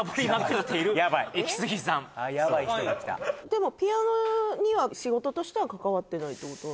でもピアノには仕事としては関わってないってこと・